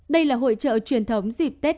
đây là hội trợ truyền thống dịp tết